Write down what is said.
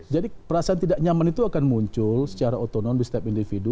jadi perasaan tidak nyaman itu akan muncul secara otonom di setiap individu